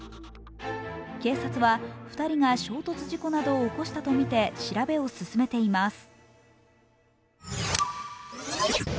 警察は２人が衝突事故などを起こしたとみて調べを進めています。